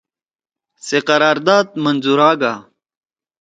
سے قرار داد منظورا گا